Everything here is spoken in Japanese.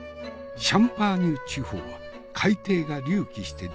シャンパーニュ地方は海底が隆起して出来た土地。